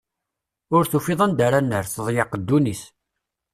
Ur tufiḍ anda ara nerr, teḍyeq ddunit.